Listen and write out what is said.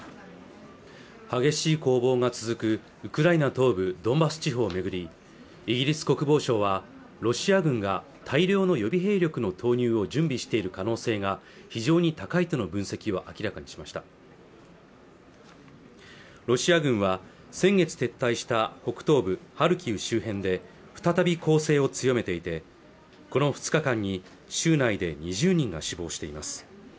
激しい攻防が続くウクライナ東部ドンバス地方を巡りイギリス国防省はロシア軍が大量の予備兵力の投入を準備している可能性が非常に高いとの分析を明らかにしましたロシア軍は先月撤退した北東部ハルキウ周辺で再び攻勢を強めていてこの２日間に州内で２０人が死亡しています